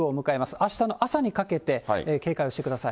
あしたの朝にかけて警戒をしてください。